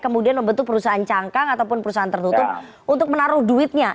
kemudian membentuk perusahaan cangkang ataupun perusahaan tertutup untuk menaruh duitnya